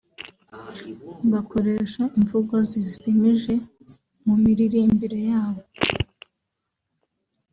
bakoresha imvugo zijimije mu miririmbire yabo